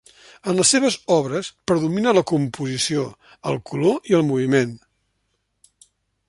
En les seves obres predomina la composició, el color i el moviment.